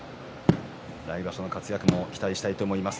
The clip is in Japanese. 来場所の活躍も期待したいと思います。